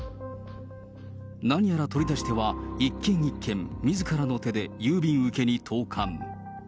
何やら取り出しては、一軒一軒みずからの手で郵便受けに投かん。